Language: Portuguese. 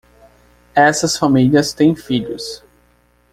Essas famílias têm filhos.